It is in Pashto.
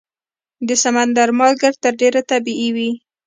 د سمندر مالګه تر ډېره طبیعي وي.